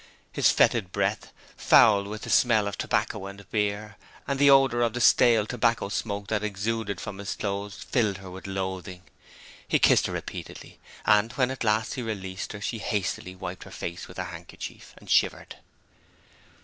His fetid breath, foul with the smell of tobacco and beer, and the odour of the stale tobacco smoke that exuded from his clothes filled her with loathing. He kissed her repeatedly and when at last he released her she hastily wiped her face with her handkerchief and shivered.